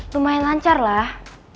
lumayan lancar lah